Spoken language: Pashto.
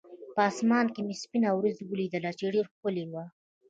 په اسمان کې مې سپینه ورېځ ولیدله، چې ډېره ښکلې وه.